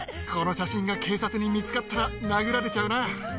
この写真が警察に見つかったら殴られちゃうな。